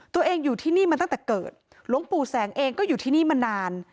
ตัวเองอยู่ที่นี่มาตั้งแต่เกิดหลวงปู่แสงเองก็อยู่ที่นี่มานาน